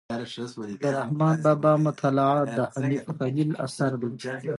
د رحمان بابا مطالعه د حنیف خلیل اثر دی.